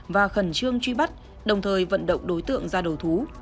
và khẩn trương truy bắt đồng thời vận động đối tượng ra đầu thú